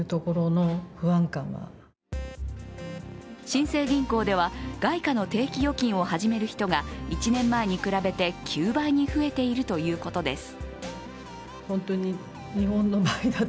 新生銀行では外貨の定期預金を始める人が１年前に比べて、９倍に増えているということです。